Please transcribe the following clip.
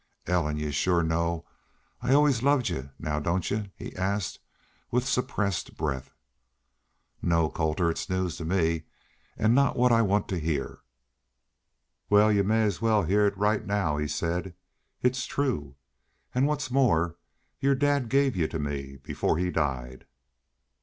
"Ellen, y'u shore know I always loved y'u now don't y 'u?" he asked, with suppressed breath. "No, Colter. It's news to me an' not what I want to heah." "Wal, y'u may as well heah it right now," he said. "It's true. An' what's more your dad gave y'u to me before he died."